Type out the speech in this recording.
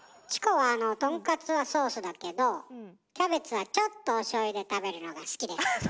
チコはあのとんかつはソースだけどキャベツはちょっとおしょうゆで食べるのが好きです。